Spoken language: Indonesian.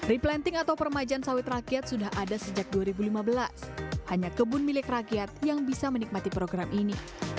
replanting atau permajaan sawit rakyat sudah ada sejak dua ribu lima belas hanya kebun milik rakyat yang bisa menikmati program ini